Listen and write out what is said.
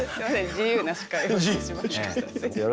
自由な司会をしてしまいました。